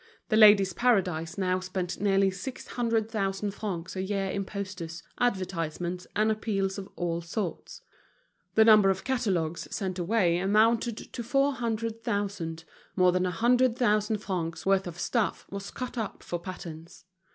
The Ladies' Paradise now spent nearly six hundred thousand francs a year in posters, advertisements, and appeals of all sorts; the number of catalogues sent away amounted to four hundred thousand, more than a hundred thousand francs' worth of stuff was cut up for patterns.